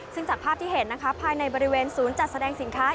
ซึ่งจากภาพที่เห็นนะคะภายในบริเวณศูนย์จัดแสดงสินค้า